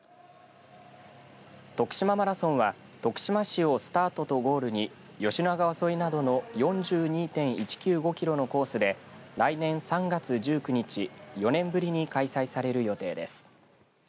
とくしまマラソンは徳島市をスタートとゴールに吉野川沿いなどの４２．１９５キロのコースで来年３月１９日４年ぶりに開催される予定です。